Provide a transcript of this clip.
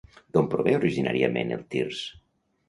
D'on prové originàriament el tirs?